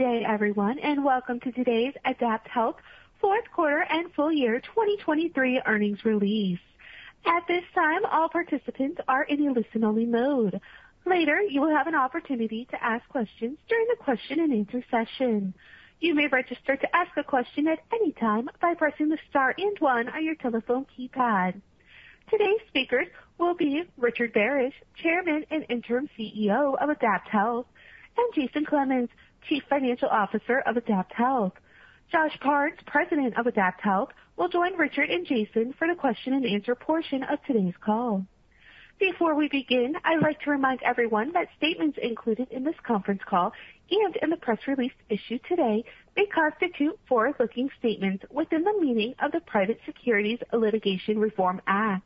Good day, everyone, and welcome to today's AdaptHealth fourth quarter and full year 2023 earnings release. At this time, all participants are in the listen-only mode. Later, you will have an opportunity to ask questions during the question-and-answer session. You may register to ask a question at any time by pressing the star and one on your telephone keypad. Today's speakers will be Richard Barasch, Chairman and Interim CEO of AdaptHealth, and Jason Clemens, Chief Financial Officer of AdaptHealth. Josh Parnes, President of AdaptHealth, will join Richard and Jason for the question-and-answer portion of today's call. Before we begin, I'd like to remind everyone that statements included in this conference call and in the press release issued today may constitute forward-looking statements within the meaning of the Private Securities Litigation Reform Act.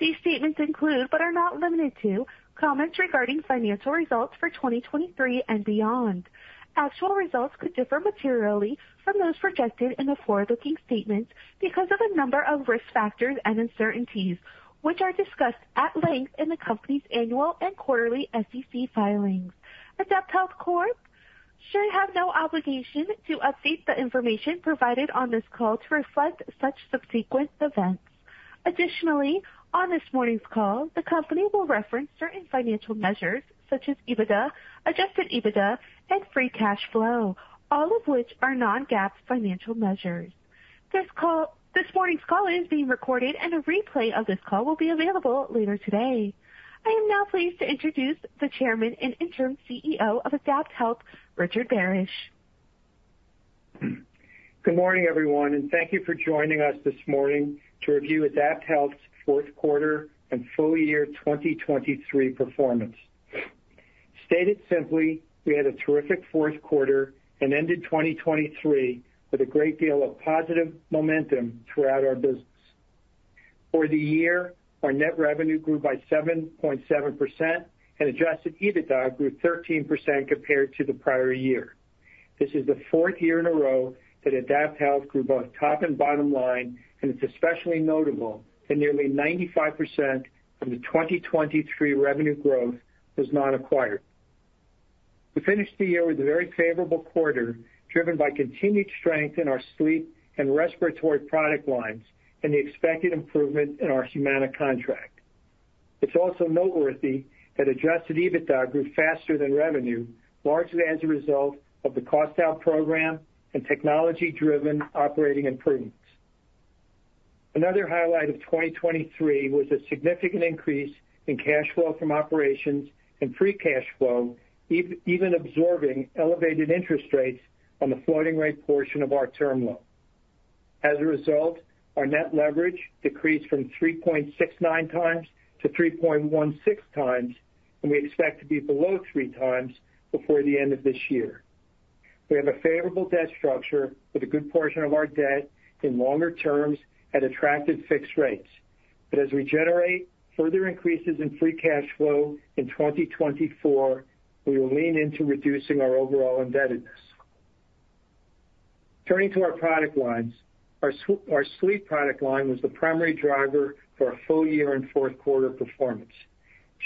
These statements include but are not limited to comments regarding financial results for 2023 and beyond. Actual results could differ materially from those projected in the forward-looking statements because of a number of risk factors and uncertainties, which are discussed at length in the company's annual and quarterly SEC filings. AdaptHealth Corp. should have no obligation to update the information provided on this call to reflect such subsequent events. Additionally, on this morning's call, the company will reference certain financial measures such as EBITDA, adjusted EBITDA, and Free Cash Flow, all of which are non-GAAP financial measures. This morning's call is being recorded, and a replay of this call will be available later today. I am now pleased to introduce the Chairman and Interim CEO of AdaptHealth, Richard Barasch. Good morning, everyone, and thank you for joining us this morning to review AdaptHealth's fourth quarter and full year 2023 performance. Stated simply, we had a terrific fourth quarter and ended 2023 with a great deal of positive momentum throughout our business. For the year, our net revenue grew by 7.7%, and adjusted EBITDA grew 13% compared to the prior year. This is the fourth year in a row that AdaptHealth grew both top and bottom line, and it's especially notable that nearly 95% of the 2023 revenue growth was non-acquired. We finished the year with a very favorable quarter driven by continued strength in our sleep and respiratory product lines and the expected improvement in our Humana contract. It's also noteworthy that adjusted EBITDA grew faster than revenue, largely as a result of the cost-out program and technology-driven operating improvements. Another highlight of 2023 was a significant increase in cash flow from operations and free cash flow, even absorbing elevated interest rates on the floating-rate portion of our term loan. As a result, our net leverage decreased from 3.69 times-3.16 times, and we expect to be below 3 times before the end of this year. We have a favorable debt structure with a good portion of our debt in longer terms at attractive fixed rates. But as we generate further increases in free cash flow in 2024, we will lean into reducing our overall indebtedness. Turning to our product lines, our sleep product line was the primary driver for our full year and fourth quarter performance.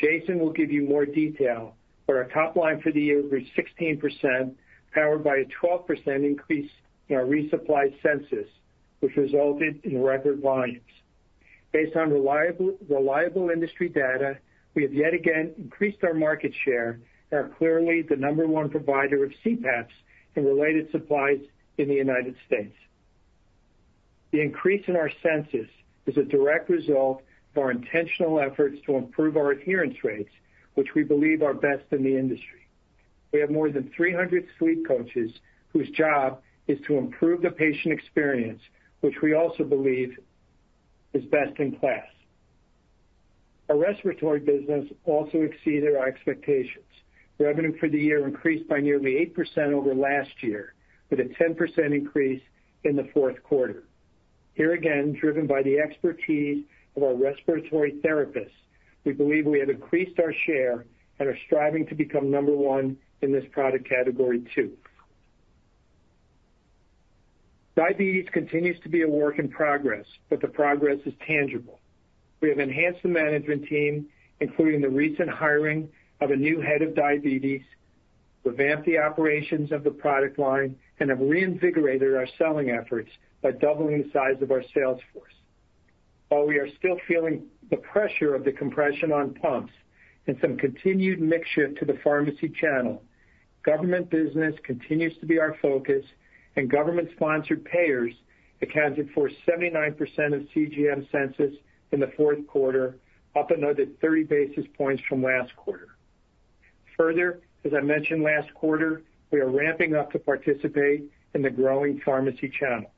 Jason will give you more detail, but our top line for the year grew 16%, powered by a 12% increase in our resupply census, which resulted in record volumes. Based on reliable industry data, we have yet again increased our market share and are clearly the number one provider of CPAPs and related supplies in the United States. The increase in our census is a direct result of our intentional efforts to improve our adherence rates, which we believe are best in the industry. We have more than 300 sleep coaches whose job is to improve the patient experience, which we also believe is best in class. Our respiratory business also exceeded our expectations. Revenue for the year increased by nearly 8% over last year with a 10% increase in the fourth quarter. Here again, driven by the expertise of our respiratory therapists, we believe we have increased our share and are striving to become number one in this product category too. Diabetes continues to be a work in progress, but the progress is tangible. We have enhanced the management team, including the recent hiring of a new head of diabetes, revamped the operations of the product line, and have reinvigorated our selling efforts by doubling the size of our sales force. While we are still feeling the pressure of the compression on pumps and some continued makeshift to the pharmacy channel, government business continues to be our focus, and government-sponsored payers accounted for 79% of CGM census in the fourth quarter, up another 30 basis points from last quarter. Further, as I mentioned last quarter, we are ramping up to participate in the growing pharmacy channel.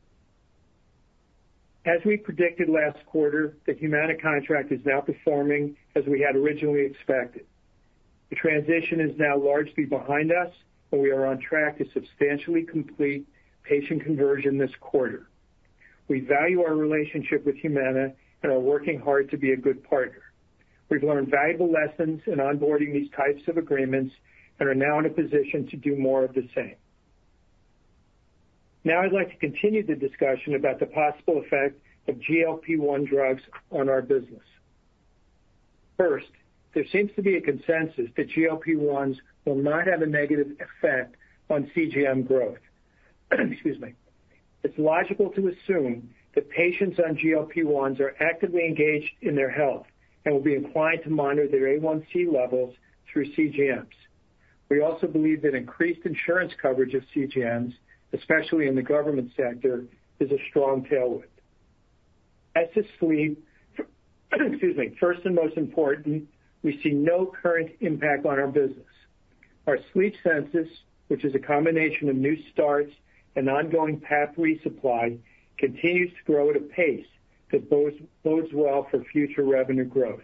As we predicted last quarter, the Humana contract is now performing as we had originally expected. The transition is now largely behind us, and we are on track to substantially complete patient conversion this quarter. We value our relationship with Humana and are working hard to be a good partner. We've learned valuable lessons in onboarding these types of agreements and are now in a position to do more of the same. Now I'd like to continue the discussion about the possible effect of GLP-1 drugs on our business. First, there seems to be a consensus that GLP-1s will not have a negative effect on CGM growth. Excuse me. It's logical to assume that patients on GLP-1s are actively engaged in their health and will be inclined to monitor their A1C levels through CGMs. We also believe that increased insurance coverage of CGMs, especially in the government sector, is a strong tailwind. As to sleep, excuse me. First and most important, we see no current impact on our business. Our sleep census, which is a combination of new starts and ongoing PAP resupply, continues to grow at a pace that bodes well for future revenue growth.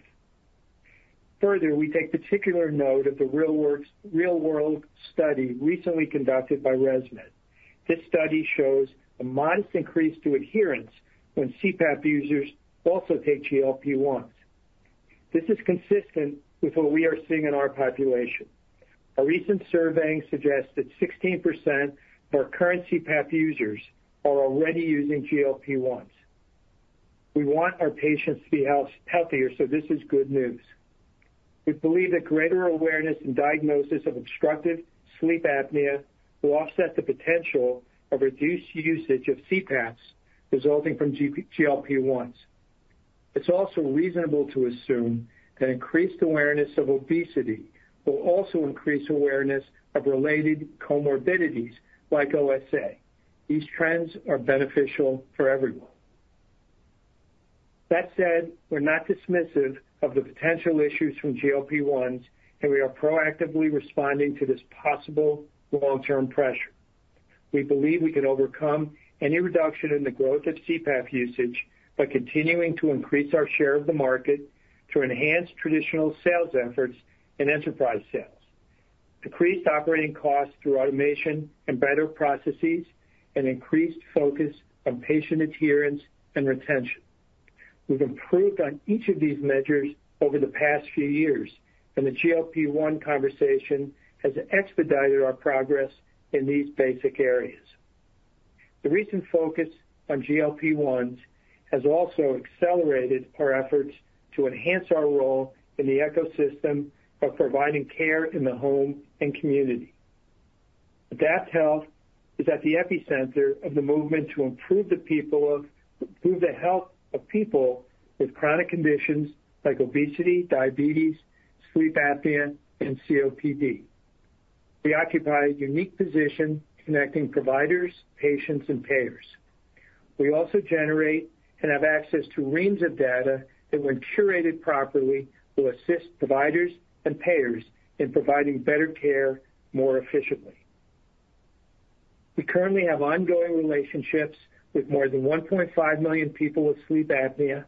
Further, we take particular note of the real-world study recently conducted by ResMed. This study shows a modest increase to adherence when CPAP users also take GLP-1s. This is consistent with what we are seeing in our population. A recent survey suggests that 16% of our current CPAP users are already using GLP-1s. We want our patients to be healthier, so this is good news. We believe that greater awareness and diagnosis of obstructive sleep apnea will offset the potential of reduced usage of CPAPs resulting from GLP-1s. It's also reasonable to assume that increased awareness of obesity will also increase awareness of related comorbidities like OSA. These trends are beneficial for everyone. That said, we're not dismissive of the potential issues from GLP-1s, and we are proactively responding to this possible long-term pressure. We believe we can overcome any reduction in the growth of CPAP usage by continuing to increase our share of the market through enhanced traditional sales efforts and enterprise sales, decreased operating costs through automation and better processes, and increased focus on patient adherence and retention. We've improved on each of these measures over the past few years, and the GLP-1 conversation has expedited our progress in these basic areas. The recent focus on GLP-1s has also accelerated our efforts to enhance our role in the ecosystem of providing care in the home and community. AdaptHealth is at the epicenter of the movement to improve the people of improve the health of people with chronic conditions like obesity, diabetes, sleep apnea, and COPD. We occupy a unique position connecting providers, patients, and payers. We also generate and have access to reams of data that, when curated properly, will assist providers and payers in providing better care more efficiently. We currently have ongoing relationships with more than 1.5 million people with sleep apnea,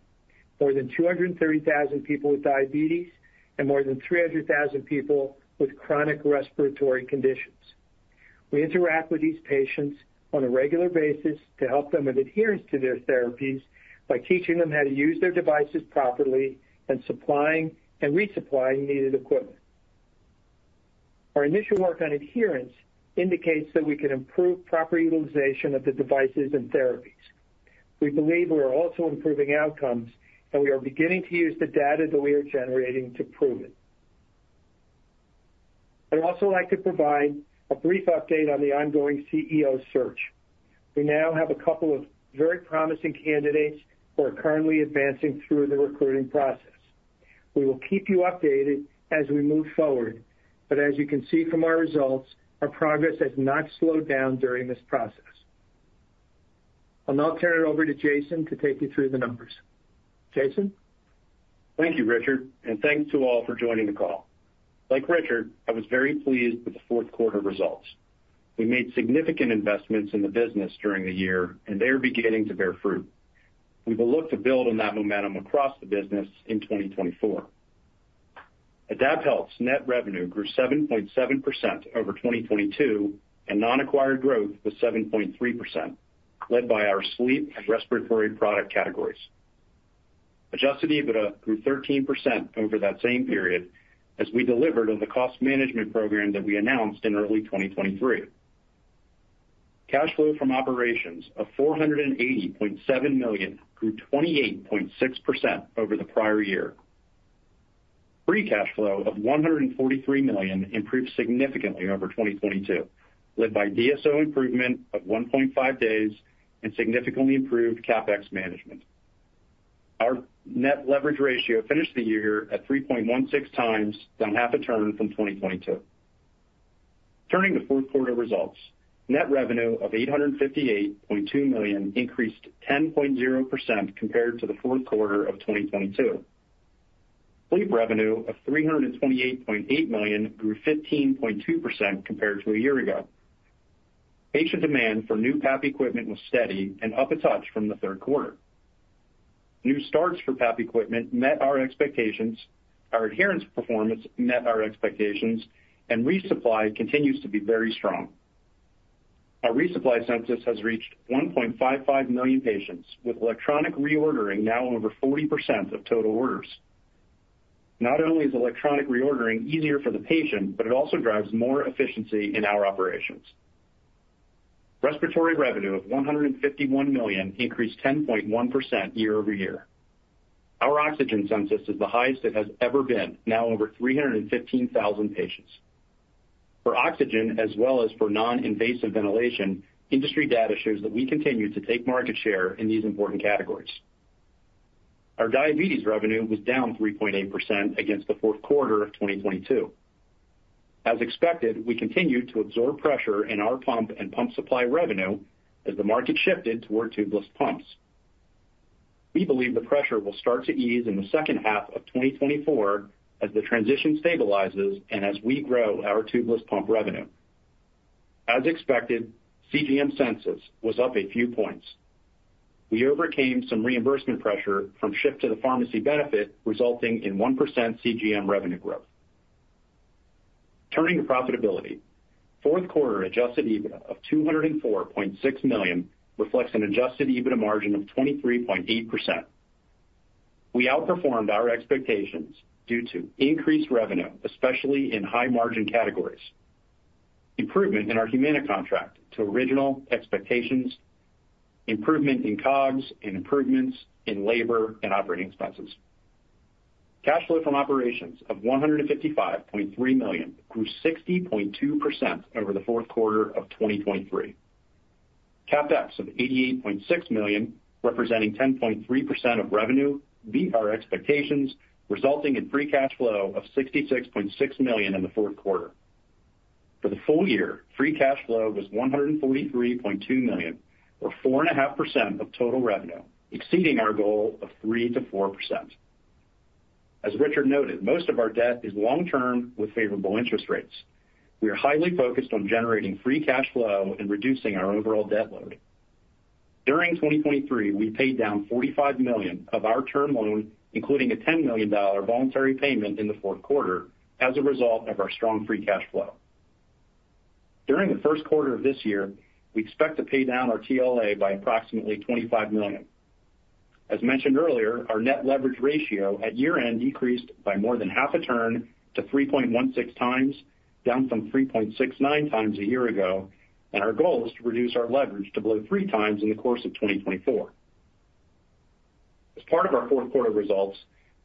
more than 230,000 people with diabetes, and more than 300,000 people with chronic respiratory conditions. We interact with these patients on a regular basis to help them with adherence to their therapies by teaching them how to use their devices properly and supplying and resupplying needed equipment. Our initial work on adherence indicates that we can improve proper utilization of the devices and therapies. We believe we are also improving outcomes, and we are beginning to use the data that we are generating to prove it. I'd also like to provide a brief update on the ongoing CEO search. We now have a couple of very promising candidates who are currently advancing through the recruiting process. We will keep you updated as we move forward, but as you can see from our results, our progress has not slowed down during this process. I'll now turn it over to Jason to take you through the numbers. Jason? Thank you, Richard, and thanks to all for joining the call. Like Richard, I was very pleased with the fourth quarter results. We made significant investments in the business during the year, and they are beginning to bear fruit. We will look to build on that momentum across the business in 2024. AdaptHealth's net revenue grew 7.7% over 2022, and non-acquired growth was 7.3%, led by our sleep and respiratory product categories. Adjusted EBITDA grew 13% over that same period as we delivered on the cost management program that we announced in early 2023. Cash flow from operations of $480.7 million grew 28.6% over the prior year. Free cash flow of $143 million improved significantly over 2022, led by DSO improvement of 1.5 days and significantly improved CapEx management. Our net leverage ratio finished the year at 3.16 times, down half a turn from 2022. Turning to fourth quarter results, net revenue of $858.2 million increased 10.0% compared to the fourth quarter of 2022. Sleep revenue of $328.8 million grew 15.2% compared to a year ago. Patient demand for new PAP equipment was steady and up a touch from the third quarter. New starts for PAP equipment met our expectations. Our adherence performance met our expectations, and resupply continues to be very strong. Our resupply census has reached 1.55 million patients, with electronic reordering now over 40% of total orders. Not only is electronic reordering easier for the patient, but it also drives more efficiency in our operations. Respiratory revenue of $151 million increased 10.1% year-over-year. Our oxygen census is the highest it has ever been, now over 315,000 patients. For oxygen, as well as for non-invasive ventilation, industry data shows that we continue to take market share in these important categories. Our diabetes revenue was down 3.8% against the fourth quarter of 2022. As expected, we continue to absorb pressure in our pump and pump supply revenue as the market shifted toward tubeless pumps. We believe the pressure will start to ease in the second half of 2024 as the transition stabilizes and as we grow our tubeless pump revenue. As expected, CGM census was up a few points. We overcame some reimbursement pressure from shift to the pharmacy benefit, resulting in 1% CGM revenue growth. Turning to profitability, fourth quarter adjusted EBITDA of $204.6 million reflects an adjusted EBITDA margin of 23.8%. We outperformed our expectations due to increased revenue, especially in high-margin categories, improvement in our Humana contract to original expectations, improvement in COGS, and improvements in labor and operating expenses. Cash flow from operations of $155.3 million grew 60.2% over the fourth quarter of 2023. CapEx of $88.6 million, representing 10.3% of revenue, beat our expectations, resulting in free cash flow of $66.6 million in the fourth quarter. For the full year, free cash flow was $143.2 million, or 4.5% of total revenue, exceeding our goal of 3%-4%. As Richard noted, most of our debt is long-term with favorable interest rates. We are highly focused on generating free cash flow and reducing our overall debt load. During 2023, we paid down $45 million of our term loan, including a $10 million voluntary payment in the fourth quarter, as a result of our strong free cash flow. During the first quarter of this year, we expect to pay down our TLA by approximately $25 million. As mentioned earlier, our net leverage ratio at year-end decreased by more than half a turn to 3.16 times, down from 3.69 times a year ago, and our goal is to reduce our leverage to below three times in the course of 2024. As part of our fourth quarter results,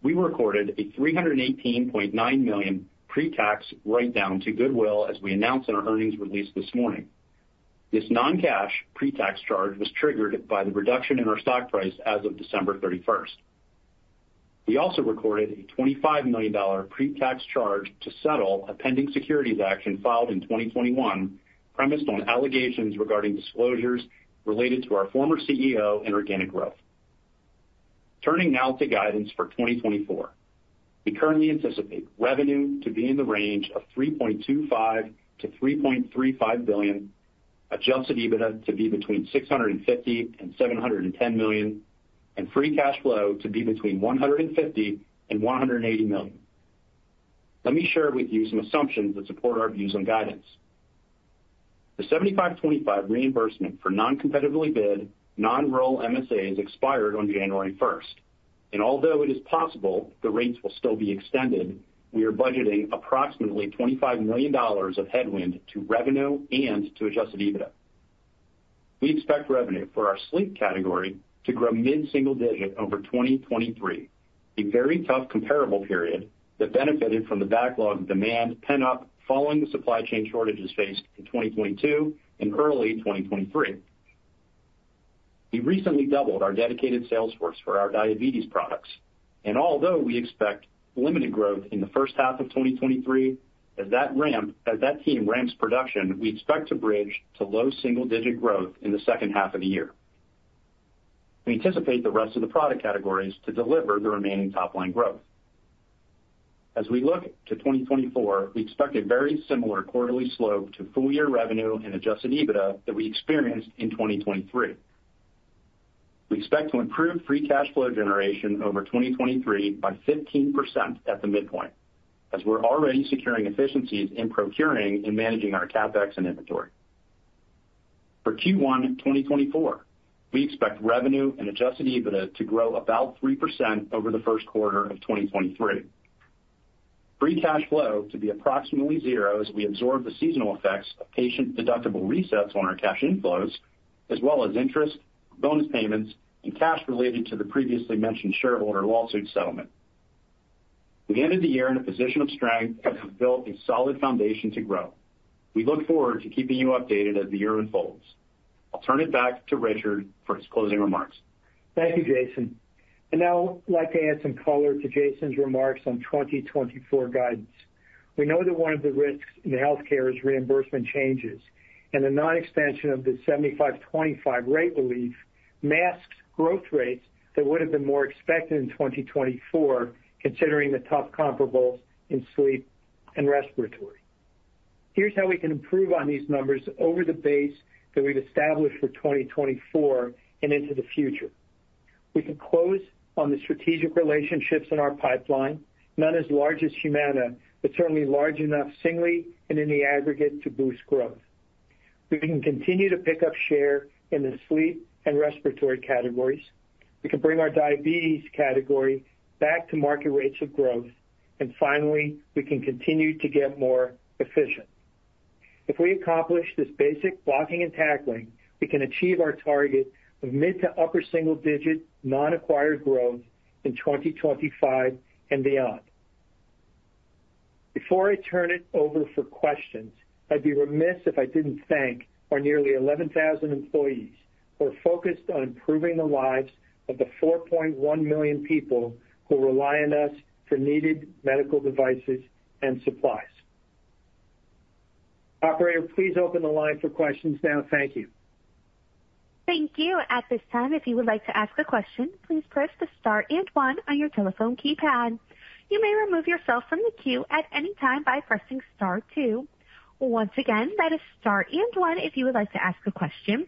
we recorded a $318.9 million pre-tax write-down to goodwill as we announced in our earnings release this morning. This non-cash pre-tax charge was triggered by the reduction in our stock price as of December 31st. We also recorded a $25 million pre-tax charge to settle a pending securities action filed in 2021 premised on allegations regarding disclosures related to our former CEO and organic growth. Turning now to guidance for 2024, we currently anticipate revenue to be in the range of $3.25 billion-$3.35 billion, adjusted EBITDA to be between $650 million-$710 million, and free cash flow to be between $150 million-$180 million. Let me share with you some assumptions that support our views on guidance. The 75/25 reimbursement for non-competitively bid, non-rural MSAs expired on January 1st. And although it is possible the rates will still be extended, we are budgeting approximately $25 million of headwind to revenue and to adjusted EBITDA. We expect revenue for our sleep category to grow mid-single-digit over 2023, a very tough comparable period that benefited from the backlog of demand pent up following the supply chain shortages faced in 2022 and early 2023. We recently doubled our dedicated sales force for our diabetes products. Although we expect limited growth in the first half of 2023, as that team ramps production, we expect to bridge to low single-digit growth in the second half of the year. We anticipate the rest of the product categories to deliver the remaining top-line growth. As we look to 2024, we expect a very similar quarterly slope to full-year revenue and adjusted EBITDA that we experienced in 2023. We expect to improve Free Cash Flow generation over 2023 by 15% at the midpoint, as we're already securing efficiencies in procuring and managing our CapEx and inventory. For Q1 2024, we expect revenue and adjusted EBITDA to grow about 3% over the first quarter of 2023, Free Cash Flow to be approximately zero as we absorb the seasonal effects of patient deductible resets on our cash inflows, as well as interest, bonus payments, and cash related to the previously mentioned shareholder lawsuit settlement. We ended the year in a position of strength and have built a solid foundation to grow. We look forward to keeping you updated as the year unfolds. I'll turn it back to Richard for his closing remarks. Thank you, Jason. And now I'd like to add some color to Jason's remarks on 2024 guidance. We know that one of the risks in healthcare is reimbursement changes, and the non-extension of the 75/25 rate relief masks growth rates that would have been more expected in 2024, considering the tough comparables in sleep and respiratory. Here's how we can improve on these numbers over the base that we've established for 2024 and into the future. We can close on the strategic relationships in our pipeline, none as large as Humana, but certainly large enough singly and in the aggregate to boost growth. We can continue to pick up share in the sleep and respiratory categories. We can bring our diabetes category back to market rates of growth. And finally, we can continue to get more efficient. If we accomplish this basic blocking and tackling, we can achieve our target of mid to upper single-digit non-acquired growth in 2025 and beyond. Before I turn it over for questions, I'd be remiss if I didn't thank our nearly 11,000 employees who are focused on improving the lives of the 4.1 million people who rely on us for needed medical devices and supplies. Operator, please open the line for questions now. Thank you. Thank you. At this time, if you would like to ask a question, please press the star and one on your telephone keypad. You may remove yourself from the queue at any time by pressing star two. Once again, that is star and one if you would like to ask a question.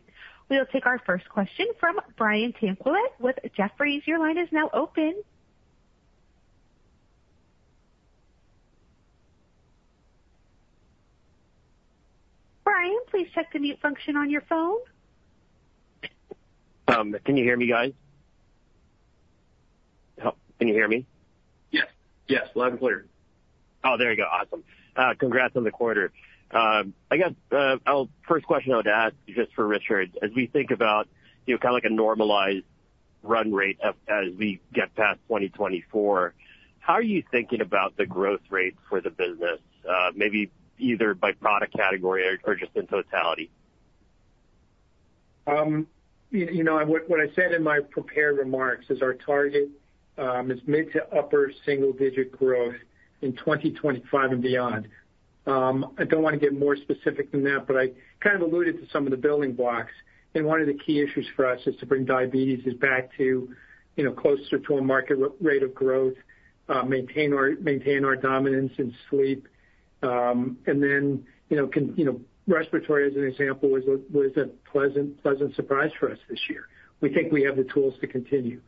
We'll take our first question from Brian Tanquilut with Jefferies, your line is now open. Brian, please check the mute function on your phone. Can you hear me, guys? Help, can you hear me? Yes. Yes. Loud and clear. Oh, there you go. Awesome. Congrats on the quarter. I guess, my first question I would ask just for Richard, as we think about, you know, kind of like a normalized run rate as we get past 2024, how are you thinking about the growth rate for the business, maybe either by product category or, or just in totality? You know, what I said in my prepared remarks is our target is mid- to upper single-digit growth in 2025 and beyond. I don't want to get more specific than that, but I kind of alluded to some of the building blocks. One of the key issues for us is to bring diabetes back to, you know, closer to a market rate of growth, maintain our dominance in sleep and then, you know, in respiratory, as an example, was a pleasant, pleasant surprise for us this year. We think we have the tools to continue.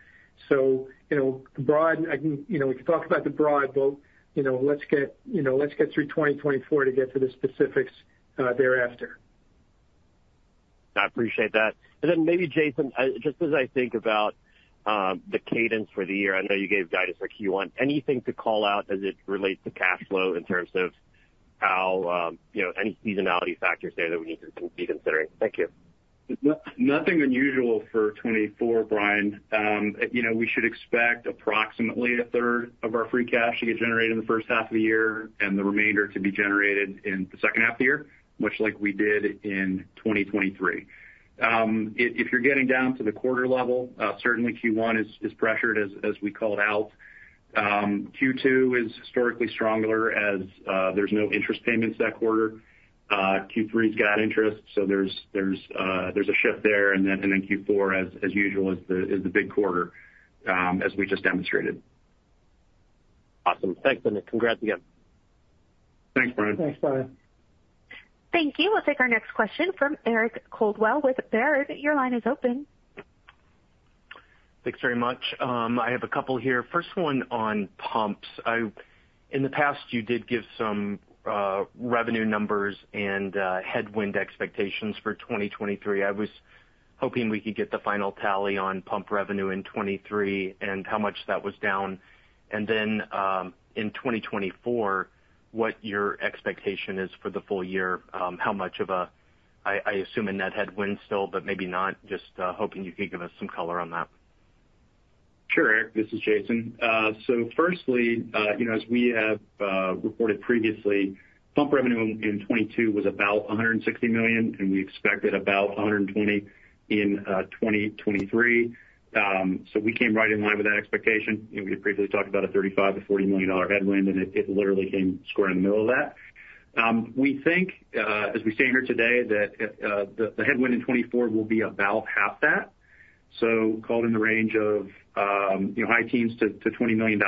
So, you know, broadly I can, you know, we can talk about the broad, but, you know, let's get you know, let's get through 2024 to get to the specifics thereafter. I appreciate that. And then maybe, Jason, just as I think about, the cadence for the year, I know you gave guidance for Q1. Anything to call out as it relates to cash flow in terms of how, you know, any seasonality factors there that we need to be considering? Thank you. Nothing unusual for 2024, Brian. You know, we should expect approximately a third of our free cash to get generated in the first half of the year and the remainder to be generated in the second half of the year, much like we did in 2023. If you're getting down to the quarter level, certainly Q1 is pressured as we called out. Q2 is historically stronger as, there's no interest payments that quarter. Q3's got interest, so there's a shift there. And then Q4, as usual, is the big quarter, as we just demonstrated. Awesome, thanks a lot. Congrats again. Thanks, Brian. Thanks, Brian. Thank you. We'll take our next question from Eric Coldwell with Baird. Your line is open. Thanks very much. I have a couple here. First one on pumps. In the past, you did give some revenue numbers and headwind expectations for 2023. I was hoping we could get the final tally on pump revenue in 2023 and how much that was down. And then, in 2024, what your expectation is for the full year, how much of a—I assume a net headwind still, but maybe not—just hoping you could give us some color on that. Sure, Eric. This is Jason. So firstly, you know, as we have reported previously, pump revenue in 2022 was about $160 million, and we expected about $120 million in 2023. So we came right in line with that expectation. You know, we had previously talked about a $35 million-$40 million headwind, and it literally came square in the middle of that. We think, as we stand here today, that the headwind in 2024 will be about half that, so called in the range of, you know, high teens to $20 million.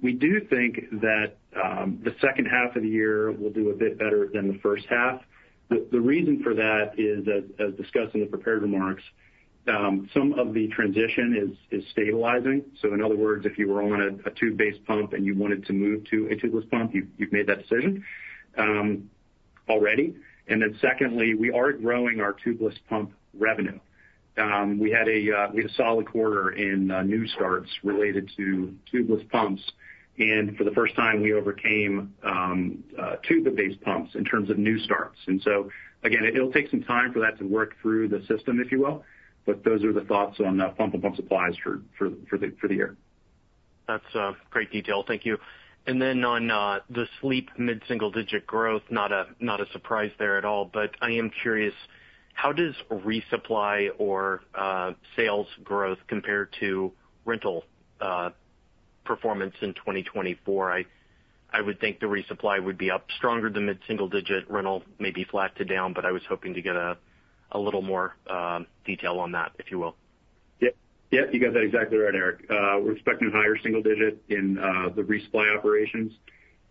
We do think that the second half of the year will do a bit better than the first half. The reason for that is, as discussed in the prepared remarks, some of the transition is stabilizing. So in other words, if you were on a tube-based pump and you wanted to move to a tubeless pump, you've made that decision already. And then secondly, we are growing our tubeless pump revenue. We had a solid quarter in new starts related to tubeless pumps. And for the first time, we overcame tube-based pumps in terms of new starts. And so again, it'll take some time for that to work through the system, if you will. But those are the thoughts on pump and pump supplies for the year. That's great detail. Thank you. Then on the sleep mid-single-digit growth, not a surprise there at all. I am curious, how does resupply or sales growth compare to rental performance in 2024? I would think the resupply would be up stronger than mid-single-digit. Rental may be flat to down, but I was hoping to get a little more detail on that, if you will. Yep, you got that exactly right, Eric. We're expecting a higher single-digit in the resupply operations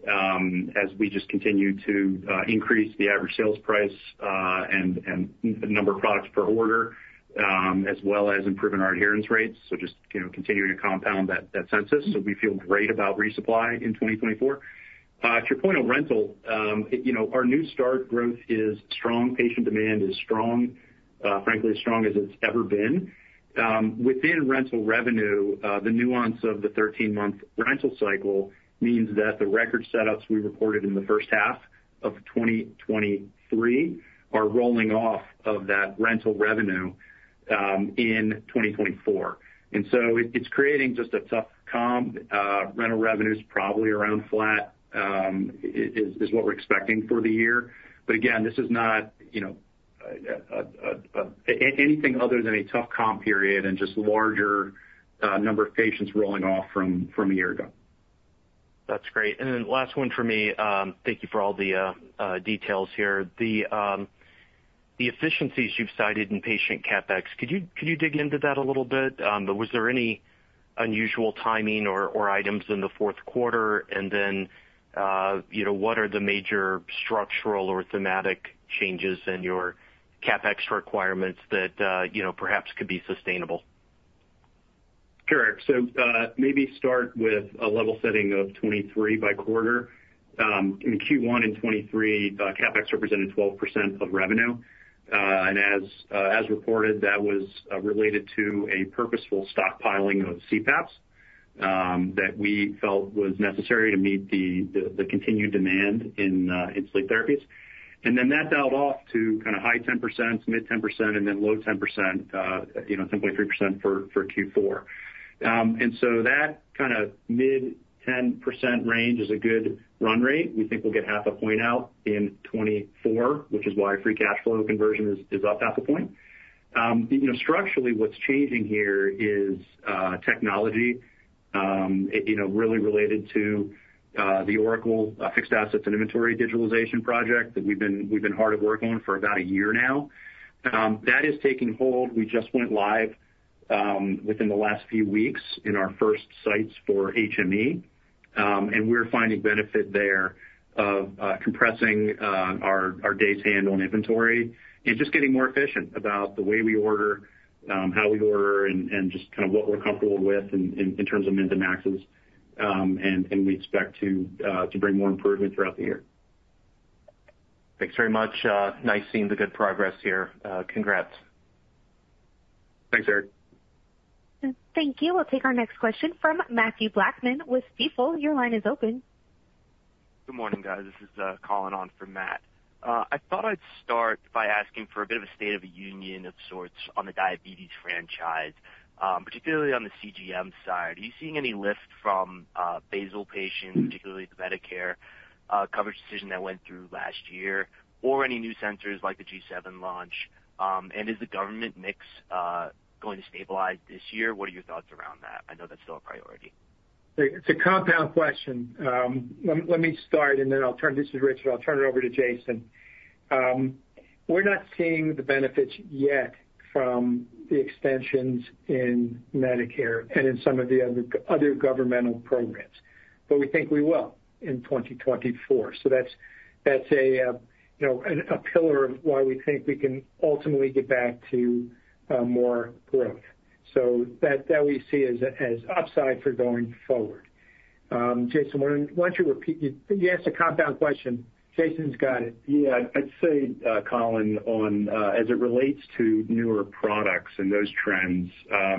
as we just continue to increase the average sales price and number of products per order, as well as improving our adherence rates, so just continuing to compound that census. So we feel great about resupply in 2024. To your point on rental, you know, our new start growth is strong. Patient demand is strong, frankly, as strong as it's ever been. Within rental revenue, the nuance of the 13-month rental cycle means that the record setups we reported in the first half of 2023 are rolling off of that rental revenue in 2024. And so it's creating just a tough comp. Rental revenue's probably around flat is what we're expecting for the year. But again, this is not, you know, anything other than a tough comp period and just larger number of patients rolling off from a year ago. That's great. And then last one for me. Thank you for all the details here. The efficiencies you've cited in patient CapEx, could you dig into that a little bit? Was there any unusual timing or items in the fourth quarter? And then, you know, what are the major structural or thematic changes in your CapEx requirements that, you know, perhaps could be sustainable? Sure, Eric. So maybe start with a level setting of 2023 by quarter. In Q1 and 2023, CapEx represented 12% of revenue. And as reported, that was related to a purposeful stockpiling of CPAPs that we felt was necessary to meet the continued demand in sleep therapies. And then that dialed off to kind of high 10%, mid 10%, and then low 10%, you know, 10.3% for Q4. And so that kind of mid-10% range is a good run rate. We think we'll get half a point out in 2024, which is why free cash flow conversion is up half a point. You know, structurally, what's changing here is technology, you know, really related to the Oracle Fixed Assets and Inventory Digitalization project that we've been hard at work on for about a year now. That is taking hold. We just went live within the last few weeks in our first sites for HME. We're finding benefit there of compressing our days handled in inventory and just getting more efficient about the way we order, how we order, and just kind of what we're comfortable with in terms of min to maxes. We expect to bring more improvement throughout the year. Thanks very much. Nice seeing the good progress here, congrats. Thanks, Eric. Thank you. We'll take our next question from Mathew Blackman with Stifel. Your line is open. Good morning, guys. This is Colin on for Matt. I thought I'd start by asking for a bit of a state of union of sorts on the diabetes franchise, particularly on the CGM side. Are you seeing any lift from basal patients, particularly the Medicare coverage decision that went through last year, or any new sensors like the G7 launch? And is the government mix going to stabilize this year? What are your thoughts around that? I know that's still a priority. It's a compound question. Let me start, and then I'll turn it over to Richard. I'll turn it over to Jason. We're not seeing the benefits yet from the extensions in Medicare and in some of the other governmental programs, but we think we will in 2024. So that's a, you know, a pillar of why we think we can ultimately get back to more growth. So that we see as upside for going forward. Jason, why don't you repeat you asked a compound question. Jason's got it. Yeah. I'd say, Colin, as it relates to newer products and those trends,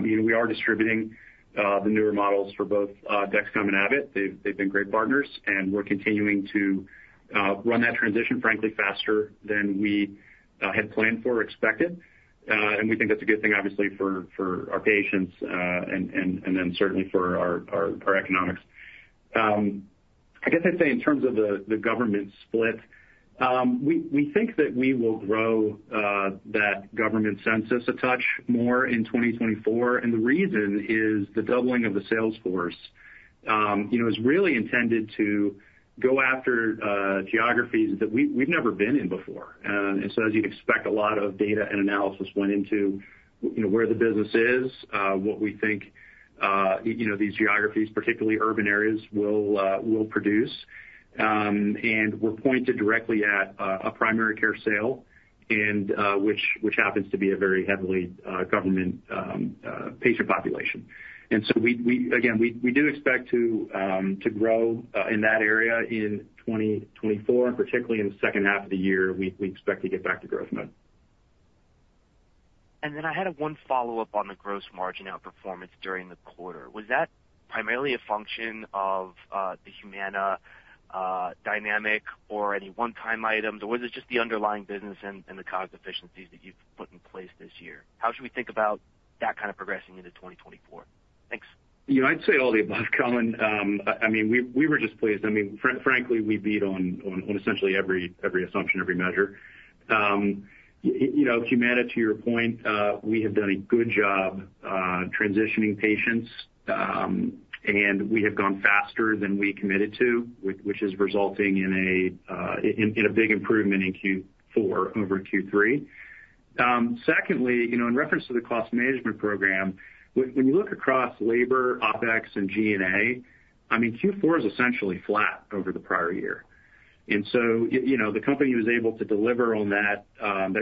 you know, we are distributing the newer models for both Dexcom and Abbott. They've been great partners. And we're continuing to run that transition, frankly, faster than we had planned for or expected. And we think that's a good thing, obviously, for our patients and then certainly for our economics. I guess I'd say in terms of the government split, we think that we will grow that government census a touch more in 2024. And the reason is the doubling of the sales force, you know, is really intended to go after geographies that we've never been in before. And so as you'd expect, a lot of data and analysis went into, you know, where the business is, what we think, you know, these geographies, particularly urban areas, will produce. We're pointed directly at a primary care sale, which happens to be a very heavily government patient population. So again, we do expect to grow in that area in 2024. Particularly in the second half of the year, we expect to get back to growth mode. And then, I had one follow-up on the gross margin outperformance during the quarter. Was that primarily a function of the Humana dynamic or any one-time items, or was it just the underlying business and the cost efficiencies that you've put in place this year? How should we think about that kind of progressing into 2024? Thanks. You know, I'd say all the above, Colin. I mean, we were just pleased. I mean, frankly, we beat on essentially every assumption, every measure. You know, Humana, to your point, we have done a good job transitioning patients. And we have gone faster than we committed to, which is resulting in a big improvement in Q4 over Q3. Secondly, you know, in reference to the cost management program, when you look across labor, OpEx, and G&A, I mean, Q4 is essentially flat over the prior year. And so, you know, the company was able to deliver on that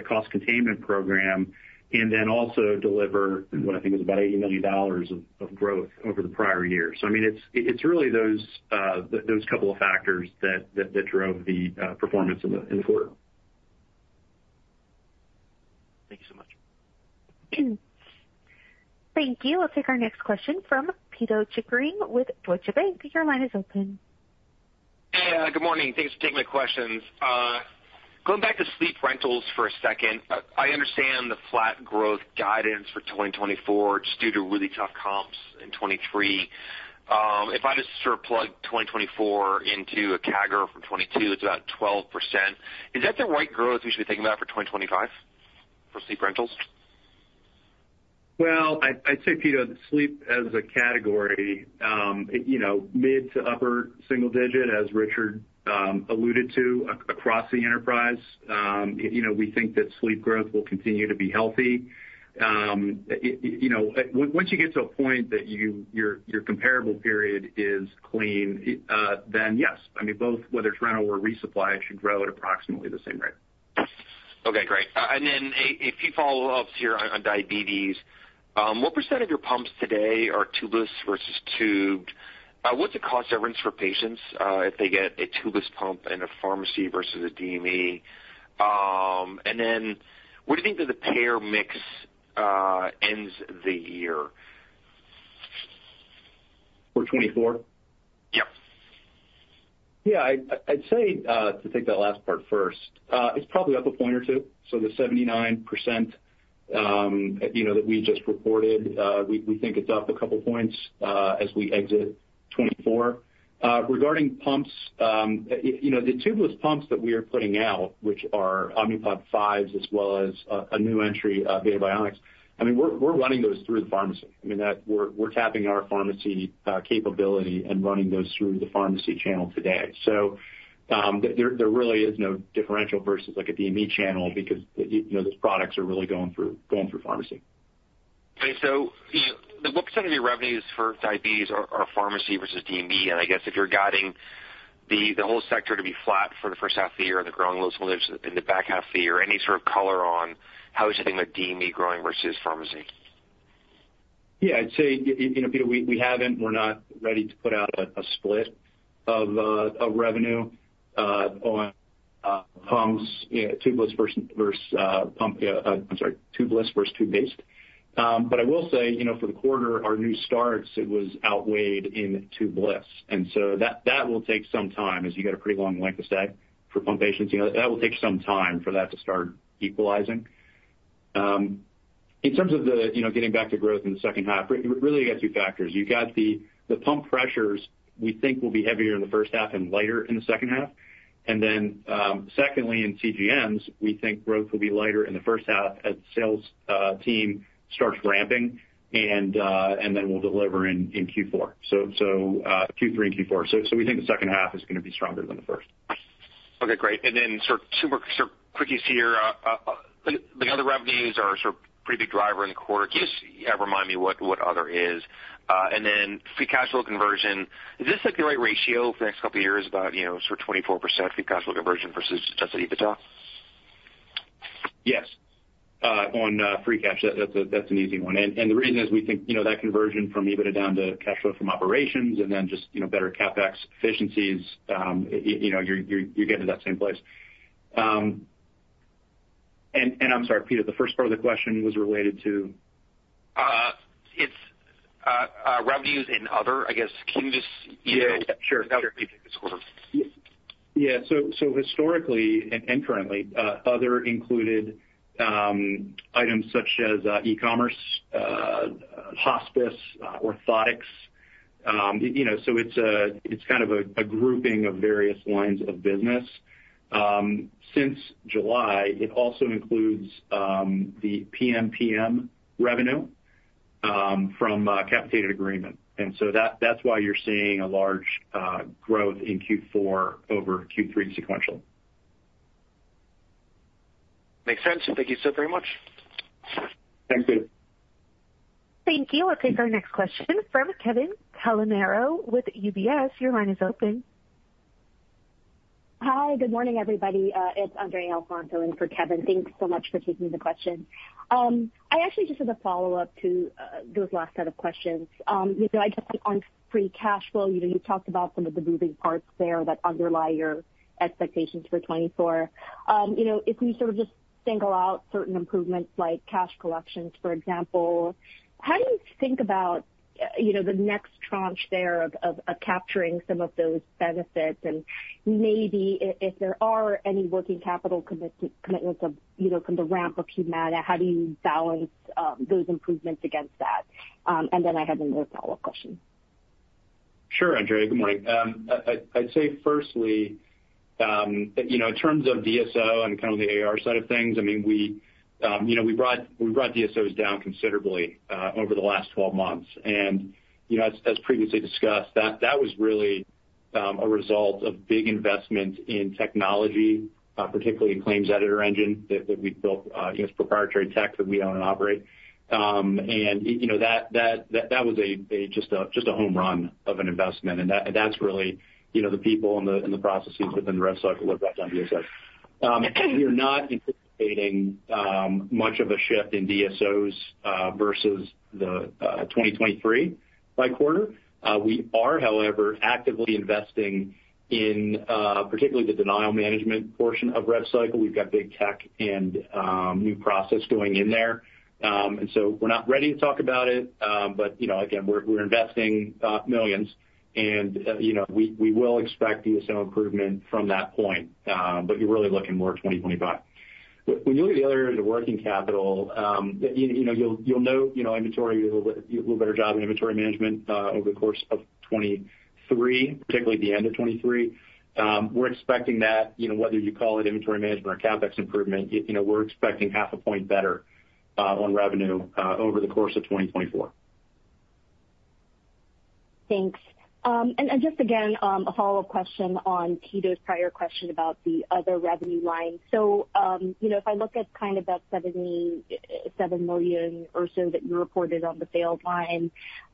cost containment program and then also deliver what I think is about $80 million of growth over the prior year. So I mean, it's really those couple of factors that drove the performance in the quarter. Thank you so much. Thank you. We'll take our next question from Pito Chickering with Deutsche Bank. Your line is open. Hey. Good morning. Thanks for taking my questions. Going back to sleep rentals for a second, I understand the flat growth guidance for 2024 just due to really tough comps in 2023. If I just sort of plug 2024 into a CAGR from 2022, it's about 12%. Is that the right growth we should be thinking about for 2025 for sleep rentals? Well, I'd say, Pito, the sleep as a category, you know, mid- to upper single-digit, as Richard alluded to, across the enterprise, you know, we think that sleep growth will continue to be healthy. You know, once you get to a point that your comparable period is clean, then yes. I mean, both whether it's rental or resupply, it should grow at approximately the same rate. Okay. Great. And then a few follow-ups here on diabetes. What percentage of your pumps today are tubeless versus tubed? What's the cost difference for patients if they get a tubeless pump in a pharmacy versus a DME? And then what do you think that the payer mix ends the year? For 2024? Yep. Yeah. I'd say, to take that last part first, it's probably up a point or two. So the 79% that we just reported, we think it's up a couple points as we exit 2024. Regarding pumps, you know, the tubeless pumps that we are putting out, which are Omnipod 5s as well as a new entry, Beta Bionics, I mean, we're running those through the pharmacy. I mean, we're tapping our pharmacy capability and running those through the pharmacy channel today. So there really is no differential versus a DME channel because those products are really going through pharmacy. Okay. So what percent of your revenues for diabetes are pharmacy versus DME? And I guess if you're guiding the whole sector to be flat for the first half of the year and the growing low in the back half of the year, any sort of color on how would you think about DME growing versus pharmacy? Yeah. I'd say, you know, Pito, we haven't. We're not ready to put out a split of revenue on pumps, tubeless versus pump—I'm sorry, tubeless versus tube-based. But I will say, you know, for the quarter, our new starts, it was outweighed in tubeless. And so that will take some time as you got a pretty long length of stay for pump patients. That will take some time for that to start equalizing. In terms of the getting back to growth in the second half, really, you got two factors. You got the pump pressures we think will be heavier in the first half and lighter in the second half. And then secondly, in CGMs, we think growth will be lighter in the first half as the sales team starts ramping and then will deliver in Q3 and Q4. So Q3 and Q4. We think the second half is going to be stronger than the first. Okay. Great. And then sort of two more quickies here. The other revenues are sort of a pretty big driver in the quarter. Can you just remind me what other is? And then free cash flow conversion, is this the right ratio for the next couple of years about sort of 24% free cash flow conversion versus just EBITDA? Yes. On free cash, that's an easy one. And the reason is we think that conversion from EBITDA down to cash flow from operations and then just better CapEx efficiencies, you're getting to that same place. And I'm sorry, Pito, the first part of the question was related to? It's revenues and other, I guess. Can you just- Yeah, sure. That would be the quarter. Yeah. So historically and currently, other included items such as e-commerce, hospice, orthotics. So it's kind of a grouping of various lines of business. Since July, it also includes the PMPM revenue from capitated agreement. And so that's why you're seeing a large growth in Q4 over Q3 sequential. Makes sense. Thank you so very much. Thanks, Pito. Thank you. We'll take our next question from Kevin Caliendo with UBS. Your line is open. Hi. Good morning, everybody. It's Andrea Alfonso in for Kevin. Thanks so much for taking the question. I actually just had a follow-up to those last set of questions. I guess on Free Cash Flow, you talked about some of the moving parts there that underlie your expectations for 2024. If we sort of just single out certain improvements like cash collections, for example, how do you think about the next tranche there of capturing some of those benefits? And maybe if there are any working capital commitments from the ramp of Humana, how do you balance those improvements against that? And then I have another follow-up question. Sure, Andrea. Good morning. I'd say firstly, in terms of DSO and kind of the AR side of things, I mean, we brought DSOs down considerably over the last 12 months. And as previously discussed, that was really a result of big investment in technology, particularly in Claims Editor Engine that we've built. It's proprietary tech that we own and operate. And that was just a home run of an investment. And that's really the people and the processes within the RevCycle that brought down DSO. We are not anticipating much of a shift in DSOs versus the 2023 by quarter. We are, however, actively investing in particularly the denial management portion of RevCycle. We've got big tech and new process going in there. And so we're not ready to talk about it. But again, we're investing $millions. And we will expect DSO improvement from that point. You're really looking more 2025. When you look at the other areas of working capital, you'll note inventory does a little better job in inventory management over the course of 2023, particularly at the end of 2023. We're expecting that whether you call it inventory management or CapEx improvement, we're expecting 0.5 point better on revenue over the course of 2024. Thanks. And just again, a follow-up question on Pito's prior question about the other revenue line. So if I look at kind of that $7 million or so that you reported on the sales line,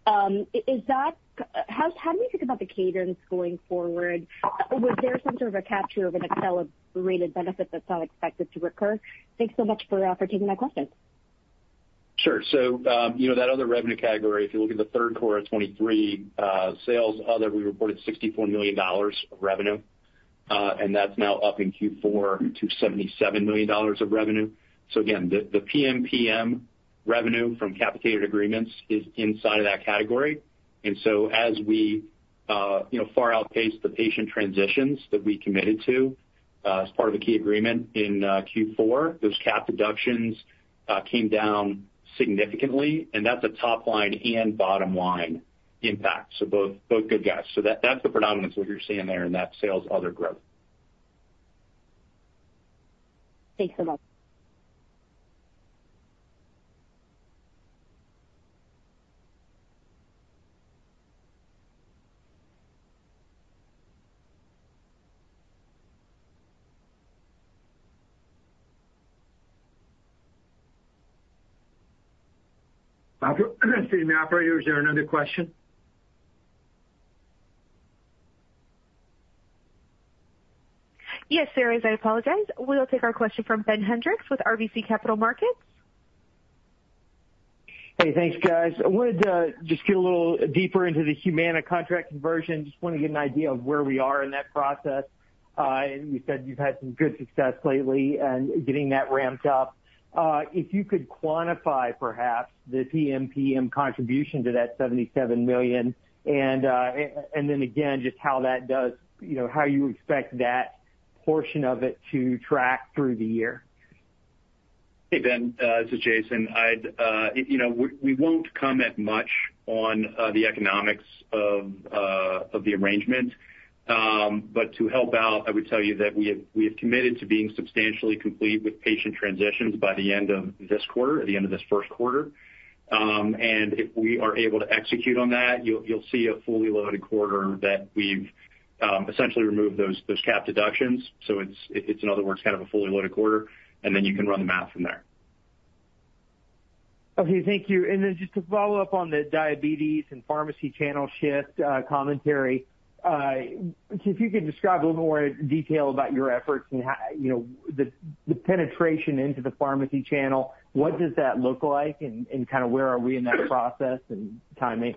how do we think about the cadence going forward? Was there some sort of a capture of an accelerated benefit that's not expected to recur? Thanks so much for taking my question. Sure. So that other revenue category, if you look at the third quarter of 2023, sales other, we reported $64 million of revenue. And that's now up in Q4 to $77 million of revenue. So again, the PMPM revenue from capitated agreements is inside of that category. And so as we far outpace the patient transitions that we committed to as part of a key agreement in Q4, those cap deductions came down significantly. And that's a top line and bottom line impact. So both good guys. So that's the predominance of what you're seeing there in that sales other growth. Thanks so much. Excuse me. Operator, is there another question? Yes, there is. I apologize. We'll take our question from Ben Hendrix with RBC Capital Markets. Hey. Thanks, guys. I wanted to just get a little deeper into the Humana contract conversion. Just wanted to get an idea of where we are in that process. You said you've had some good success lately and getting that ramped up. If you could quantify perhaps the PMPM contribution to that $77 million and then again, just how that does how you expect that portion of it to track through the year. Hey, Ben. This is Jason. We won't comment much on the economics of the arrangement. But to help out, I would tell you that we have committed to being substantially complete with patient transitions by the end of this quarter, at the end of this first quarter. And if we are able to execute on that, you'll see a fully loaded quarter that we've essentially removed those cap deductions. So it's, in other words, kind of a fully loaded quarter. And then you can run the math from there. Okay. Thank you. And then just to follow up on the diabetes and pharmacy channel shift commentary, if you could describe a little more detail about your efforts and the penetration into the pharmacy channel, what does that look like? And kind of where are we in that process and timing?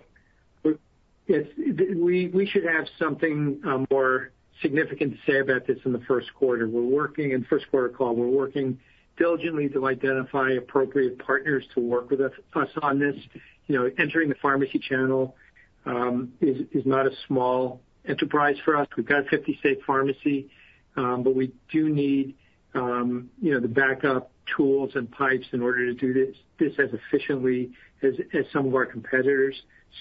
We should have something more significant to say about this in the first quarter. In the first quarter call, we're working diligently to identify appropriate partners to work with us on this. Entering the pharmacy channel is not a small enterprise for us. We've got a 50-state pharmacy. But we do need the backup tools and pipes in order to do this as efficiently as some of our competitors.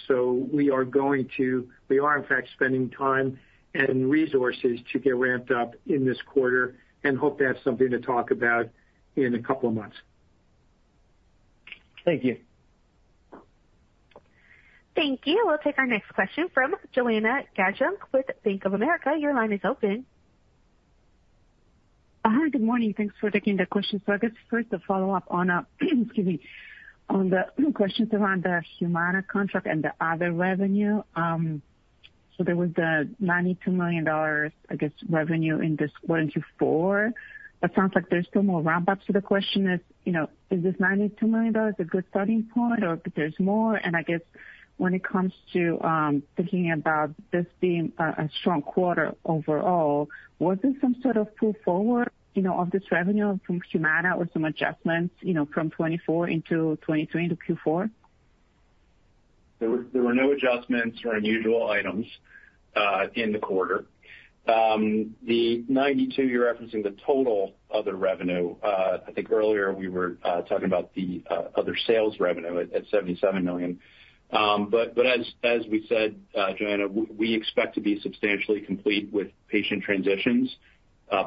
So we are going to, in fact, spending time and resources to get ramped up in this quarter and hope to have something to talk about in a couple of months. Thank you. Thank you. We'll take our next question from Joanna Gajuk with Bank of America. Your line is open. Hi. Good morning. Thanks for taking the question. So I guess first, a follow-up on excuse me, on the questions around the Humana contract and the other revenue. So there was the $92 million, I guess, revenue in this quarter in Q4. But it sounds like there's still more ramp-ups. So the question is, is this $92 million a good starting point or if there's more? And I guess when it comes to thinking about this being a strong quarter overall, was there some sort of pull forward of this revenue from Humana or some adjustments from 2024 into 2023 into Q4? There were no adjustments or unusual items in the quarter. The $92 million, you're referencing the total other revenue. I think earlier, we were talking about the other sales revenue at $77 million. But as we said, Joanna, we expect to be substantially complete with patient transitions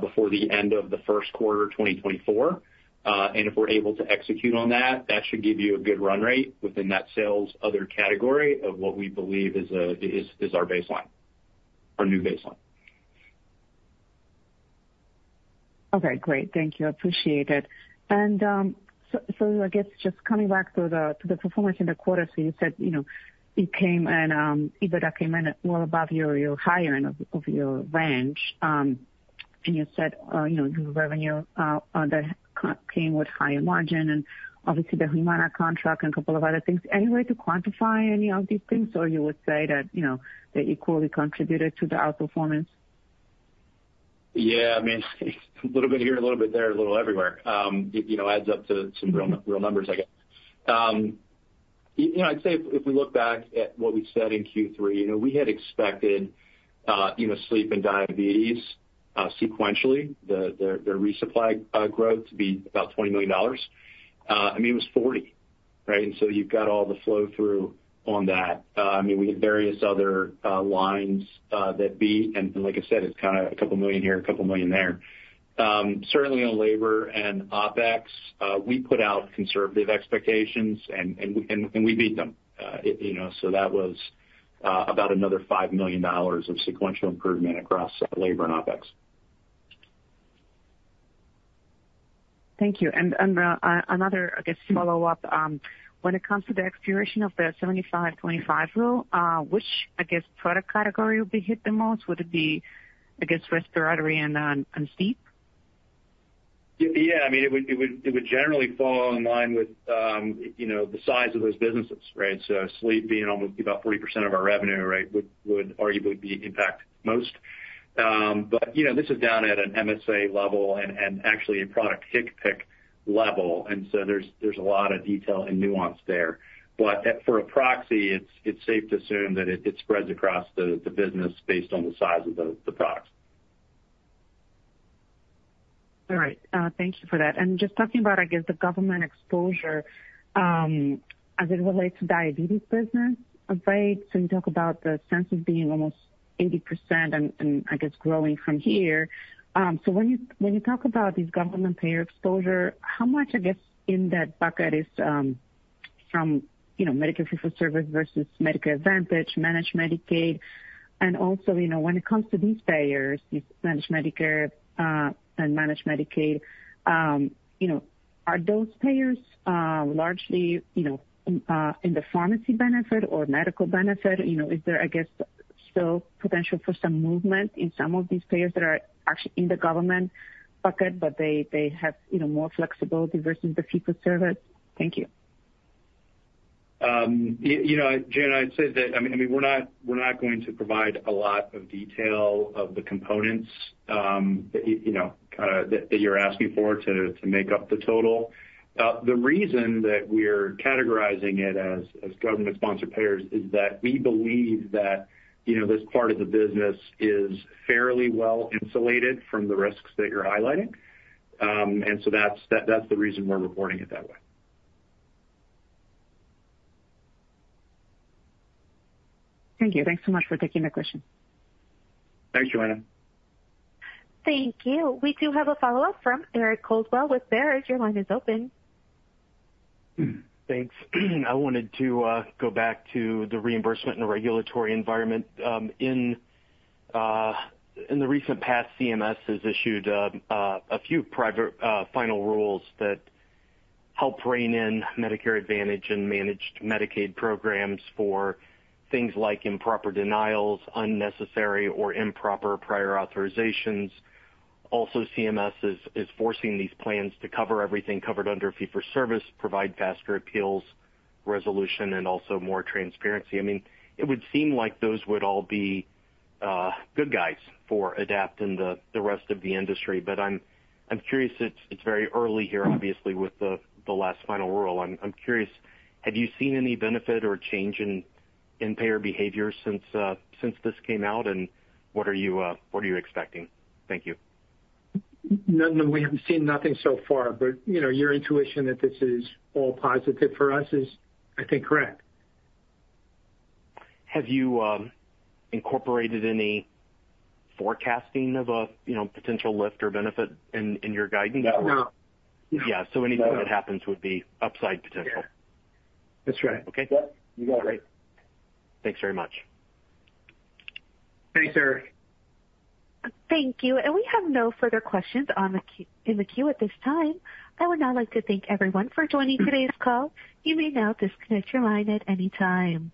before the end of the first quarter of 2024. And if we're able to execute on that, that should give you a good run rate within that sales other category of what we believe is our baseline, our new baseline. Okay, great. Thank you, I appreciate it. And so I guess just coming back to the performance in the quarter, so you said it came and EBITDA came in well above your higher end of your range. And you said your revenue that came with higher margin and obviously the Humana contract and a couple of other things. Any way to quantify any of these things? Or you would say that they equally contributed to the outperformance? Yeah. I mean, a little bit here, a little bit there, a little everywhere. It adds up to some real numbers, I guess. I'd say if we look back at what we said in Q3, we had expected sleep and diabetes sequentially, their resupply growth to be about $20 million. I mean, it was 40, right? And so you've got all the flow-through on that. I mean, we had various other lines that beat. And like I said, it's kind of a couple million here, a couple million there. Certainly, on labor and OpEx, we put out conservative expectations. And we beat them. So that was about another $5 million of sequential improvement across labor and OpEx. Thank you. Another, I guess, follow-up. When it comes to the expiration of the 75/25 rule, which, I guess, product category would be hit the most? Would it be, I guess, respiratory and sleep? Yeah. I mean, it would generally fall in line with the size of those businesses, right? So sleep being almost about 40% of our revenue, right, would arguably be impacted most. But this is down at an MSA level and actually a product hiccup level. And so there's a lot of detail and nuance there. But for a proxy, it's safe to assume that it spreads across the business based on the size of the products. All right. Thank you for that. And just talking about, I guess, the government exposure as it relates to diabetes business, right? So you talk about the sense of being almost 80% and, I guess, growing from here. So when you talk about these government payer exposure, how much, I guess, in that bucket is from Medicare fee-for-service versus Medicare Advantage, managed Medicaid? And also, when it comes to these payers, managed Medicare and managed Medicaid, are those payers largely in the pharmacy benefit or medical benefit? Is there, I guess, still potential for some movement in some of these payers that are actually in the government bucket but they have more flexibility versus the fee-for-service? Thank you. Joanna, I'd say that I mean, we're not going to provide a lot of detail of the components kind of that you're asking for to make up the total. The reason that we're categorizing it as government-sponsored payers is that we believe that this part of the business is fairly well insulated from the risks that you're highlighting. And so that's the reason we're reporting it that way. Thank you. Thanks so much for taking my question. Thanks, Joanna. Thank you. We do have a follow-up from Eric Coldwell with Baird. Your line is open. Thanks. I wanted to go back to the reimbursement and the regulatory environment. In the recent past, CMS has issued a few final rules that help rein in Medicare Advantage and Managed Medicaid programs for things like improper denials, unnecessary, or improper prior authorizations. Also, CMS is forcing these plans to cover everything covered under fee-for-service, provide faster appeals, resolution, and also more transparency. I mean, it would seem like those would all be good guys for Adapt and the rest of the industry. But I'm curious. It's very early here, obviously, with the last final rule. I'm curious, had you seen any benefit or change in payer behavior since this came out? And what are you expecting? Thank you. Nothing. We haven't seen nothing so far. But your intuition that this is all positive for us is, I think, correct. Have you incorporated any forecasting of a potential lift or benefit in your guidance? No, no. Yeah. So anything that happens would be upside potential? That's right. Okay. You got it. Great. Thanks very much. Thanks, Eric. Thank you. We have no further questions in the queue at this time. I would now like to thank everyone for joining today's call. You may now disconnect your line at any time.